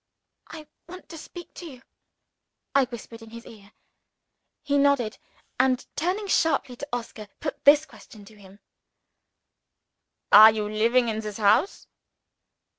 "I want to speak to you," I whispered in his ear. He nodded, and, turning sharply to Oscar, put this question to him: "Are you living in the house?"